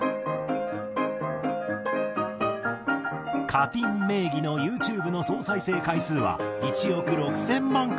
Ｃａｔｅｅｎ名義のＹｏｕＴｕｂｅの総再生回数は１億６０００万回を超え。